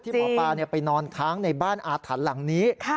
หมอปลาไปนอนค้างในบ้านอาถรรพ์หลังนี้